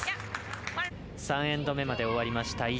３エンド目まで終わりました